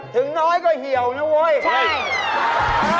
ถึงน้อยก็เหี่ยวน่ะโว้ยเอ้ยเอ้าเฮ่ย